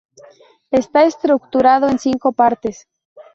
Está estructurado en cinco partes.